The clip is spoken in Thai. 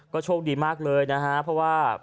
ก็โชคดีมากเลยนะครับเพราะว่า